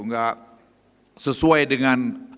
enggak sesuai dengan